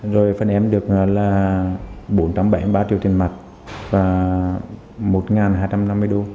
rồi phần em được là bốn trăm bảy mươi ba triệu tiền mặt và một hai trăm linh triệu